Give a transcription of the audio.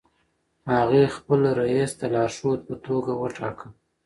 هغې خپل رییس د لارښود په توګه وټاکه.